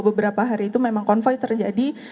beberapa hari itu memang konvoy terjadi